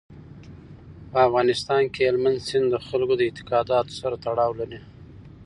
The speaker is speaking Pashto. په افغانستان کې هلمند سیند د خلکو د اعتقاداتو سره تړاو لري.